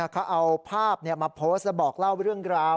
เขาเอาภาพมาโพสต์แล้วบอกเล่าเรื่องราว